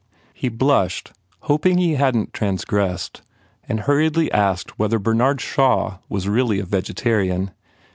He blushed, hoping he hadn t transgressed and hurriedly asked whether Bernard Shaw was really a vegetarian.